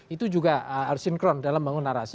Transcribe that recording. itu juga harus sinkron dalam bangun narasi